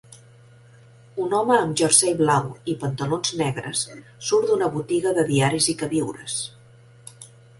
Un home amb jersei blau i pantalons negres surt d'una botiga de diaris i queviures.